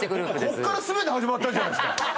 こっからすべて始まったんじゃないですか！